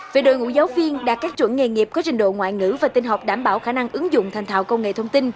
về đội ngũ giáo viên đạt các chuẩn nghề nghiệp có trình độ ngoại ngữ và tinh học đảm bảo khả năng ứng dụng thành thạo công nghệ thông tin